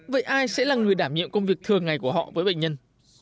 vậy ai sẽ là người đảm nhiệm công việc thường ngày của họ với bệnh nhân